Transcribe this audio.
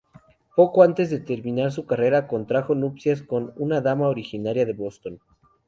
Poco antes de terminar su carrera, contrajo nupcias con una dama originaria de Boston.